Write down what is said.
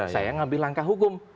saya yang mengambil angka hukum